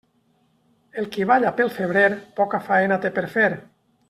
El qui balla pel febrer, poca faena té per fer.